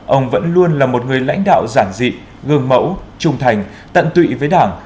ông vẫn luôn là một người lãnh đạo giản dị gương mẫu trung thành tận tụy với đảng